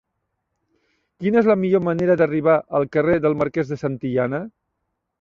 Quina és la millor manera d'arribar al carrer del Marquès de Santillana?